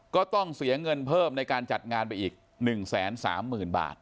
ก็ต้องเสียเงินเพิ่มในการจัดงานไปอีก๑๓๐๐๐บาท